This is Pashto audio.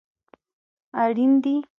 اړین دي